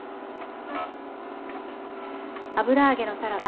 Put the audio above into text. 油揚げのサラダ